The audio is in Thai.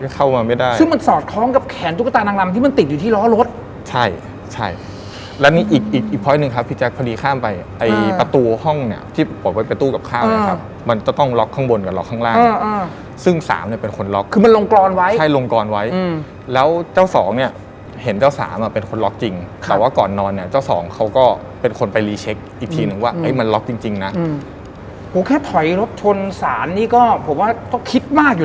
ก็มีอยู่ครั้งหนึ่งที่คุณน้าผู้ชายครับเขานอนอยู่